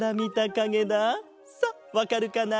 さあわかるかな？